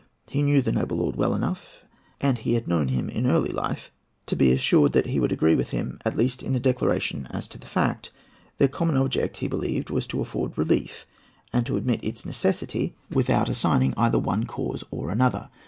He knew the noble lord well enough—and he had known him in early life—to be assured that he would agree with him, at least in a declaration as to the fact. Their common object, he believed, was to afford relief and to admit its necessity without assigning either one cause or another.